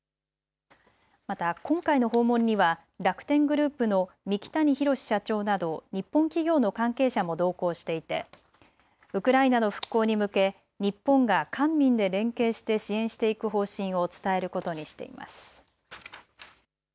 また今回の訪問には楽天グループの三木谷浩史社長など日本企業の関係者も同行していてウクライナの復興に向け日本が官民で連携して支援していく方針を伝えることにしています。